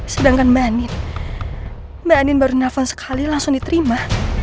sedangkan mbak anin mbak anin baru nelfon sekali langsung diterima